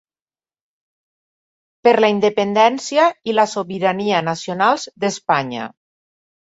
Per la independència i la sobirania nacionals d'Espanya.